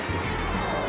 jangan makan aku